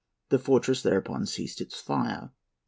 The fortress thereupon ceased its fire.